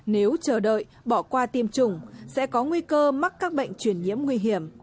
nếu chờ đợi bỏ qua tiêm chủng sẽ có nguy cơ mắc các bệnh truyền nhiễm nguy hiểm